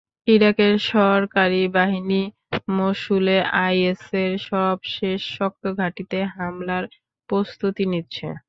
ইরাকের সরকারি বাহিনী মসুলে আইএসের সবশেষ শক্ত ঘাঁটিতে হামলার প্রস্তুতি নিচ্ছে।